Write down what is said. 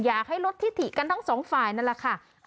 อยากให้ลดที่ถิกันทั้งสองฝ่ายนั่นแหละค่ะ